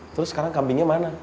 terus sekarang kambingnya mana